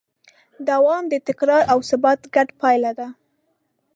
دوام د تکرار او ثبات ګډه پایله ده.